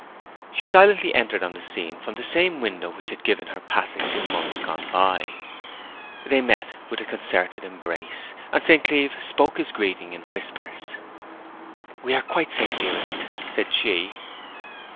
She silently entered on the scene from the same window which had given her passage in months gone by. They met with a concerted embrace, and St. Cleeve spoke his greeting in whispers. 'We are quite safe, dearest,' said she.